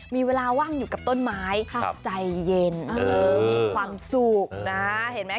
มีเวลาว่างอยู่กับต้นไม้ใจเย็นมีความสุขนะเห็นไหม